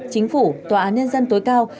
chính phủ tòa án nhân dân tối cao